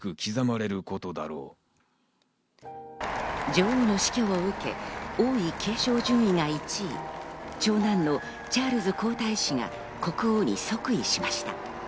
女王の死去を受け、王位継承順位が１位、長男のチャールズ皇太子が国王に即位しました。